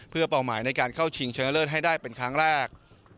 เพื่อเป้าหมายในการเข้าชิงชนะเลิศให้ได้เป็นครั้งแรก